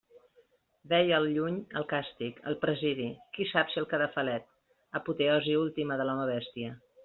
Veia al lluny el càstig, el presidi, qui sap si el cadafalet, apoteosi última de l'home-bèstia!